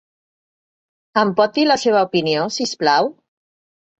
Em pot dir la seva opinió, si us plau?